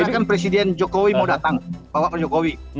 ada kan presiden jokowi mau datang bawa penjokowi